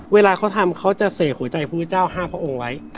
เวลาเขาทำเขาจะเสกหัวใจพระพุทธเจ้า๕พระองค์ไว้